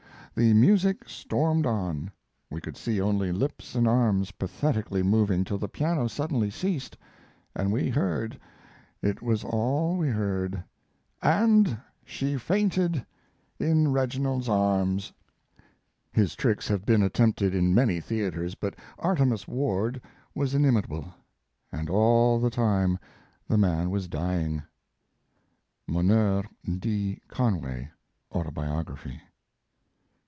The music stormed on we could see only lips and arms pathetically moving till the piano suddenly ceased, and we heard it was all we heard "and, she fainted in Reginald's arms." His tricks have been at tempted in many theaters, but Artemus Ward was inimitable. And all the time the man was dying. (Moneure D. Conway, Autobiography.)